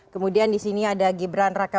kemudian disini ada gibran raka